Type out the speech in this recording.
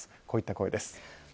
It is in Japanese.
こういった声です。